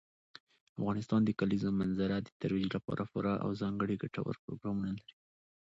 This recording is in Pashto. افغانستان د کلیزو منظره د ترویج لپاره پوره او ځانګړي ګټور پروګرامونه لري.